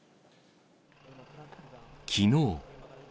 きのう。